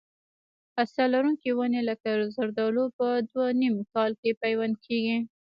هسته لرونکي ونې لکه زردالو په دوه یم کال پیوند کېږي.